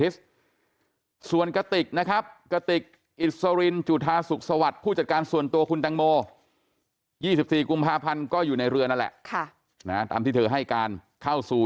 สิบสี่กุมภาพันธุ์ก็อยู่ในเรือนั่นแหละค่ะนะตามที่เธอให้การเข้าสู่